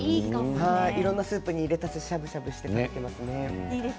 いろんなスープに入れてしゃぶしゃぶしています。